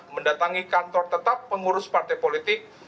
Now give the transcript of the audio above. mendatangi kantor tetap pengurus partai politik